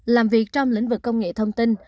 làm việc trong lĩnh vực công nghệ thông tin